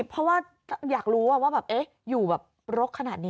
เพราะว่าอยากรู้ว่าแบบอยู่แบบรกขนาดนี้